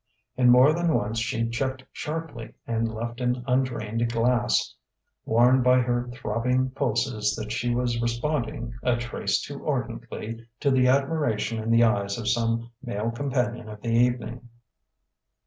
And more than once she checked sharply and left an undrained glass, warned by her throbbing pulses that she was responding a trace too ardently to the admiration in the eyes of some male companion of the evening.